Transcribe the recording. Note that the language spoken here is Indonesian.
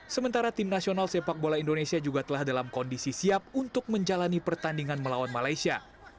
sementara tim nasional sepak bola indonesia juga telah dalam kondisi siap untuk menjalani pertandingan melawan malaysia